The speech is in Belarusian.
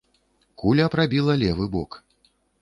Куля прабіла левы бок.